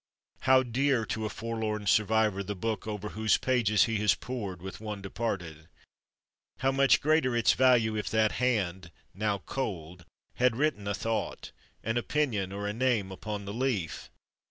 How dear to a forlorn survivor the book over whose pages he has pored with one departed! How much greater its value, if that hand, now cold, had written a thought, an opinion, or a name, upon the leaf!